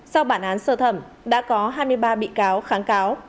sau bản án sơ thẩm đã có hai mươi ba bị cáo kháng cáo